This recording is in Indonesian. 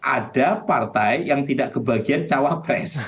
ada partai yang tidak kebagian cawapres